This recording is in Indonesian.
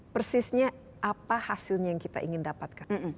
persisnya apa hasilnya yang kita ingin dapatkan